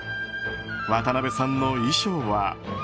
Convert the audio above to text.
渡邉さんの衣装は。